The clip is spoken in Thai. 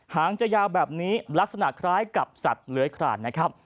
หางจะยาวแบบนี้ลักษณะคล้ายกับสัตว์เลื้อยคลานนะครับ